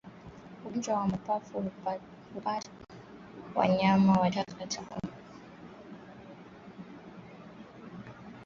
Ugonjwa wa mapafu huwapata wanyama wachache katika kundi